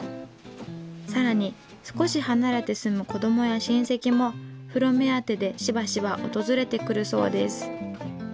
更に少し離れて住む子供や親戚も風呂目当てでしばしば訪れてくるそうです。